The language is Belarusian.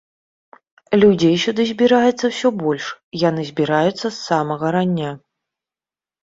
Людзей сюды збіраецца ўсё больш, яны збіраюцца з самага рання.